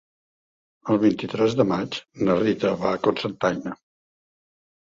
El vint-i-tres de maig na Rita va a Cocentaina.